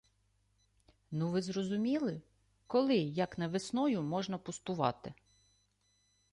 Ну ви зрозуміли: коли, як не весною, можна пустувати?